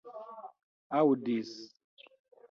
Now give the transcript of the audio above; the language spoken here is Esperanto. aŭdis